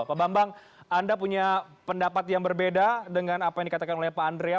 pak bambang anda punya pendapat yang berbeda dengan apa yang dikatakan oleh pak andrea